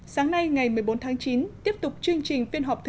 sáng nay ngày một mươi bốn tháng chín tiếp tục chương trình phiên họp thứ một mươi bốn